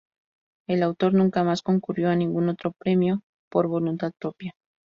El autor nunca más concurrió a ningún otro premio por voluntad propia.